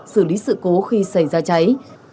xử lý sự cố khi xảy ra cháy